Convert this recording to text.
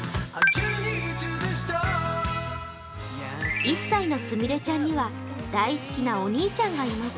１歳のすみれちゃんには大好きなお兄ちゃんがいます。